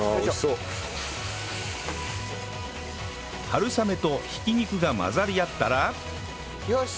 春雨とひき肉が混ざり合ったらよーし！